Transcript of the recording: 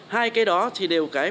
hai cái đó thì đều cái